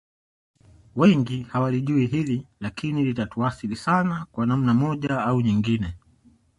Wengi hawalijui hili lakini lilituathiri sana kwa namna moja au nyingine